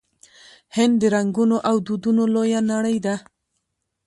هند د رنګونو او دودونو لویه نړۍ ده.